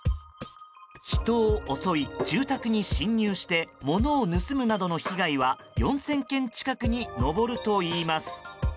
人を襲い、住宅に侵入して物を盗むなどの被害は４０００件近くに上るといいます。